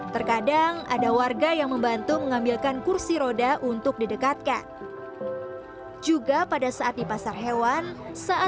terkadang ada warga yang membantu mengambilkan kursi roda warsono